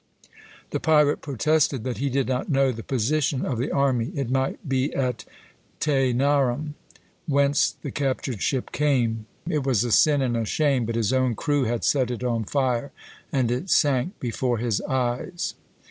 The pirate protested that he did not know the position of the army it might be at Tænarum, whence the captured ship came. It was a sin and a shame, but his own crew had set it on fire, and it sank before his eyes.